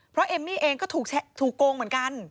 เพราะเอมมี่เองก็ถูกโกงเหมือนกัน